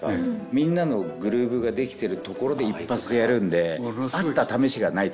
みんなのグルーブが出来てるところで一発やるんで合った試しがないって言ってました。